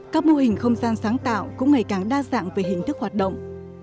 các mô hình không gian sáng tạo cũng ngày càng đa dạng về hình thức hoạt động